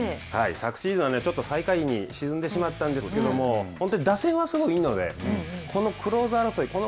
昨シーズンは、ちょっと最下位に沈んでしまったんですけども本当に打線はすごいいいのでこのクローザー争い